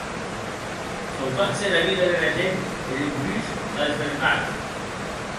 Sauvatz era vida dera gent e dempús la desbrembatz!